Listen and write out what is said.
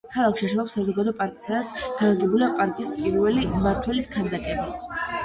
ქალაქში არსებობს საზოგადო პარკი, სადაც განლაგებულია ქალაქის პირველი მმართველის ქანდაკება.